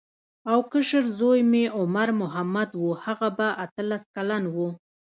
او کشر زوی مې عمر محمد و هغه به اتلس کلن و.